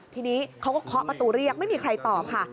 ทีนี้เขาก็เคาะประตูเรียกไม่มีใครตอบค่ะ